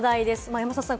山里さん